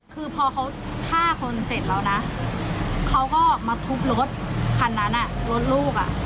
คือพอเขาฆ่าคนเสร็จแล้วนะเขาก็มาทุบรถคันนั้นรถลูกอ่ะ